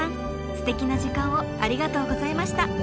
ステキな時間をありがとうございました。